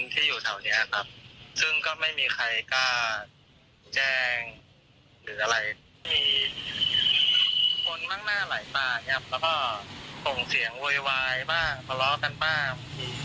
คนมั่งหน้าไหลตาเนี่ยละก้สงเสียงววยวายบ้างมาล้อกันบ้าง